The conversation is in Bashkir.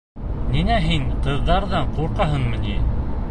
Ниңә, һин ҡыҙҙарҙан ҡурҡаһыңмы ни?